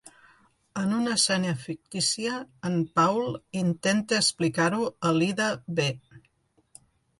En una escena fictícia, en Paul intenta explicar-ho a l'Ida B.